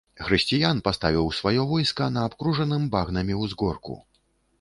Хрысціян паставіў сваё войска на абкружаным багнамі ўзгорку.